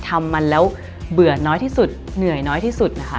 ทำมันแล้วเบื่อน้อยที่สุดเหนื่อยน้อยที่สุดนะคะ